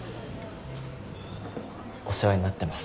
お世話になってます。